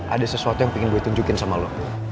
ada sesuatu yang ingin gue tunjukin sama lo